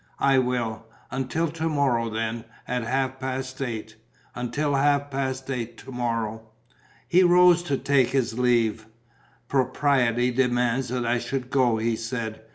"I will." "Until to morrow then, at half past eight?" "Until half past eight to morrow." He rose to take his leave: "Propriety demands that I should go," he said.